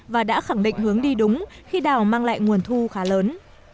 và đã khẳng định hướng đi đúng khi đảo mang lại nguồn thu khá lớn